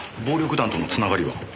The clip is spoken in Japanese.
暴力団とのつながりは？